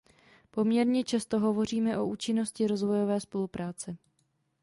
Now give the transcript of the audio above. Poměrně často hovoříme o účinnosti rozvojové spolupráce.